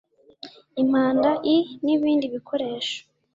impanda i n ibindi bikoresho